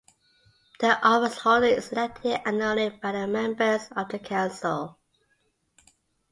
The office holder is elected annually by the members of the Council.